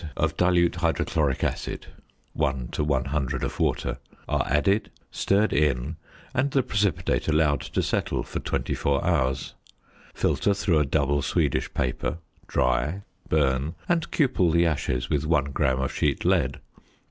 of dilute hydrochloric acid (one to 100 of water) are added, stirred in, and the precipitate allowed to settle for twenty four hours. Filter through a double Swedish paper, dry, burn, and cupel the ashes with one gram of sheet lead.